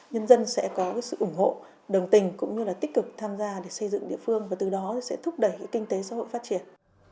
nhân dân sẽ có sự ủng hộ đồng tình cũng như là tích cực tham gia để xây dựng địa phương và từ đó sẽ thúc đẩy kinh tế xã hội phát triển